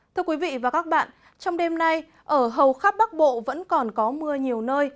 thưa quý vị và các bạn trong đêm nay ở hầu khắp bắc bộ vẫn còn có mưa nhiều nơi